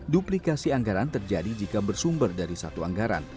duplikasi anggaran terjadi jika bersumber dari satu anggaran